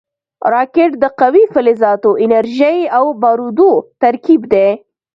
راکټ د قوي فلزاتو، انرژۍ او بارودو ترکیب دی